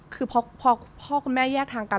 คือพอพ่อคุณแม่แยกทางกัน